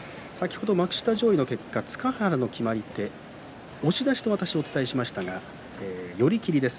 幕下上位の結果、塚原の決まり手押し出しと私、お伝えしましたが寄り切りです。